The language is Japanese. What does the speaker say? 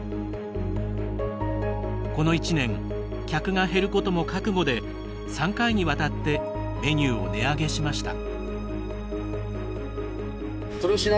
この１年、客が減ることも覚悟で３回にわたってメニューを値上げしました。